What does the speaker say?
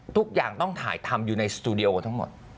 ทุกอย่างต้องถ่ายทำอยู่ในสตูดิโอทั้งหมด